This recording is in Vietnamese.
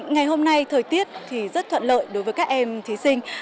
ngày hôm nay thời tiết thì rất thuận lợi đối với các em thí sinh